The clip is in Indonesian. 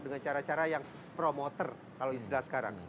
dengan cara cara yang promoter kalau istilah sekarang